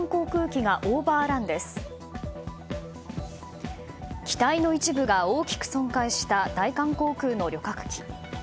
機体の一部が大きく損壊した大韓航空の旅客機。